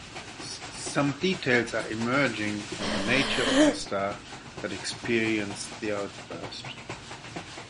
Some details are emerging on the nature of the star that experienced the outburst.